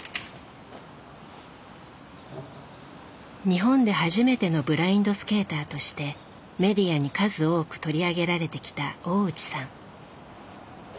日本で初めての「ブラインドスケーター」としてメディアに数多く取り上げられてきた大内さん。